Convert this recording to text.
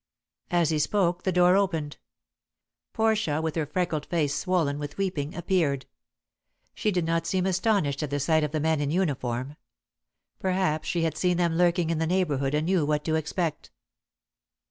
As he spoke the door opened. Portia with her freckled face swollen with weeping appeared. She did not seem astonished at the sight of the men in uniform. Perhaps she had seen them lurking in the neighborhood and knew what to expect.